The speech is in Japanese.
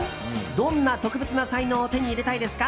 どんな特別な才能を手に入れたいですか？